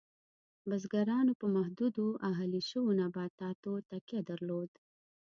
بزګرانو په محدودو اهلي شویو نباتاتو تکیه درلود.